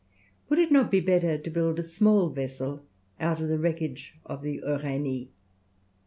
Would it not be better to build a small vessel out of the wreckage of the Uranie?